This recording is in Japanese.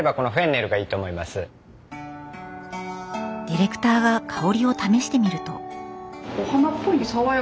ディレクターが香りを試してみると。